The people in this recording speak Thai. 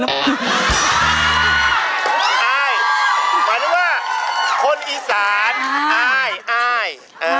อายหมายถึงว่าคนอีสานอาย